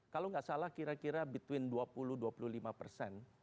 kalau nggak salah kira kira between dua puluh dua puluh lima persen